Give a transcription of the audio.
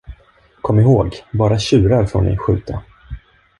Kom ihåg, bara tjurar får ni skjuta!